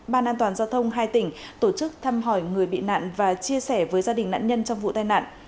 ban an toàn giao thông hai tỉnh tổ chức thăm hỏi người bị nạn và chia sẻ với gia đình nạn nhân trong vụ tai nạn